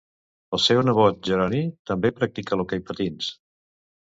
El seu nebot, Jeroni, també practicà l'hoquei patins.